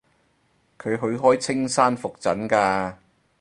佢去開青山覆診㗎